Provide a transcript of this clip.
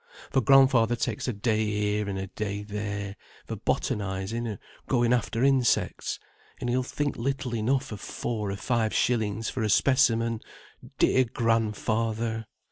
For grandfather takes a day here, and a day there, for botanising or going after insects, and he'll think little enough of four or five shillings for a specimen; dear grandfather!